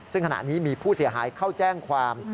ซึ่งขณะนี้มีผู้เสียหายเข้าแจ้งความ